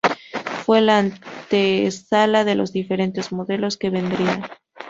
Fue la antesala de los diferentes modelos que vendrían.